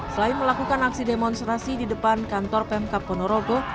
selain melakukan aksi demonstrasi di depan kantor pemkap ponorogo